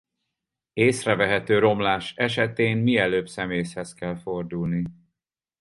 Észrevehető romlás esetén mielőbb szemészhez kell fordulni.